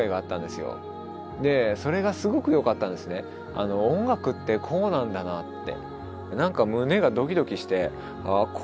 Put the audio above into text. あの音楽ってこうなんだなって。